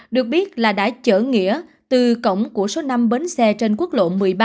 được biết là đã chở nghĩa từ cổng của số năm bến xe trên quốc lộ một mươi ba